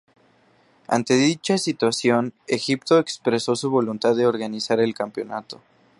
Ante dicha situación, Egipto expresó su voluntad de organizar el campeonato.